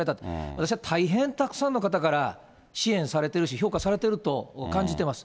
私は大変たくさんの方から支援されてるし、評価されていると感じています。